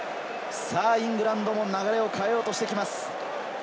イングランドも流れを変えようとしてきます。